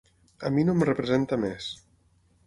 A mi no em representa més.